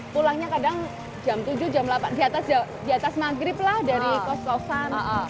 pulangnya kadang jam tujuh jam di atas maghrib lah dari kos kosan